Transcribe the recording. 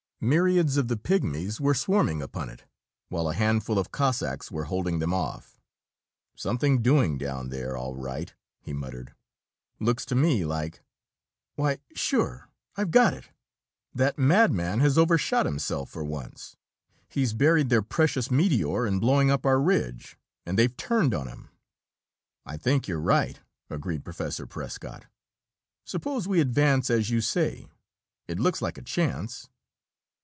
Myriads of the pigmies were swarming upon it, while a handful of Cossacks were holding them off. "Something doing down there, all right!" he muttered. "Looks to me like why, sure I've got it! That madman has overshot himself, for once! He's buried their precious meteor, in blowing up our ridge, and they've turned on him!" "I think you're right," agreed Professor Prescott. "Suppose we advance as you say. It looks like a chance."